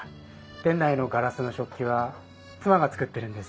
店内のガラスの食器は妻が作ってるんです。